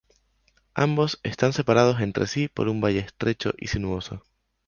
Ambos están separados entre sí por un valle estrecho y sinuoso.